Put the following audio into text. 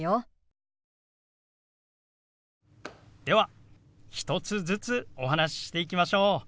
では１つずつお話ししていきましょう。